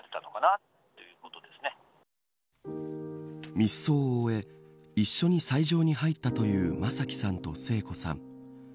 密葬を終え一緒に斎場に入ったという正輝さんと聖子さん。